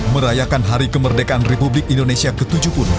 merayakan hari kemerdekaan republik indonesia ke tujuh pun